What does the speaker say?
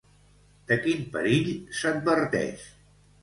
De quin perill s'adverteix?